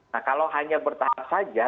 nah kalau hanya bertahap saja